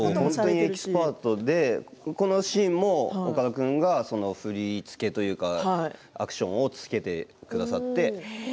エキスパートでこのシーンも岡田君が振り付けというかアクションをつけてくださって。